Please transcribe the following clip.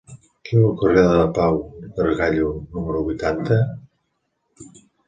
Qui viu al carrer de Pau Gargallo número vuitanta?